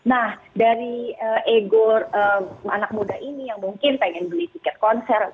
nah dari ego anak muda ini yang mungkin pengen beli tiket konser